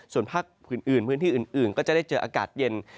ส่วนภาคอื่นพื้นที่อื่นก็จะได้เจออากาศเย็น